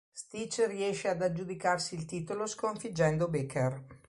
Stich riesce ad aggiudicarsi il titolo sconfiggendo Becker.